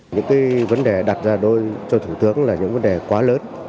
những cái vấn đề đặt ra đôi cho thủ tướng là những vấn đề quá lớn